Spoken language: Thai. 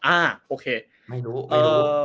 อ่าโอเค